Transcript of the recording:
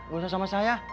nggak usah sama saya